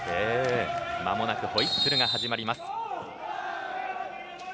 間もなくホイッスルが始まります。